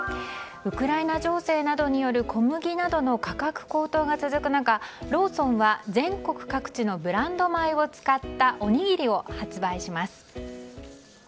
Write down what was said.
ウクライナ情勢などによる小麦価格高騰が続く中、ローソンは全国各地のブランド米を使ったおにぎりを発売します。